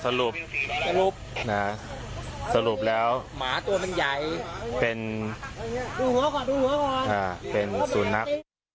สรุปสรุปแล้วเป็นเป็นสูญนัก